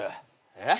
えっ？